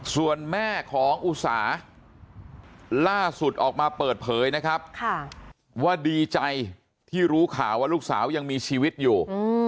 ส่วนแม่ของอุสาล่าสุดออกมาเปิดเผยนะครับว่าดีใจที่รู้ข่าวว่าลูกสาวยังมีชีวิตอยู่